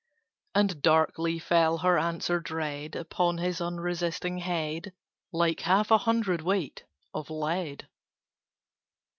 And darkly fell her answer dread Upon his unresisting head, Like half a hundredweight of lead.